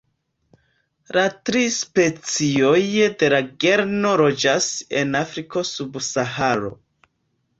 La tri specioj de la genro loĝas en Afriko sub Saharo.